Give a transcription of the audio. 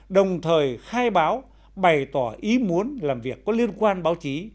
đồng thời khai báo bày tỏ ý muốn làm việc có liên quan báo chí